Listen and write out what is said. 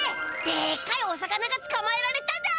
でっかいお魚がつかまえられただ！